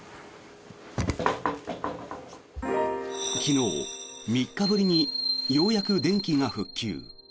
昨日、３日ぶりにようやく電気が復旧。